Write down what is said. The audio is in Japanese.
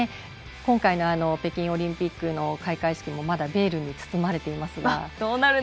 今回の北京オリンピックの開会式も、まだベールに包まれていますが。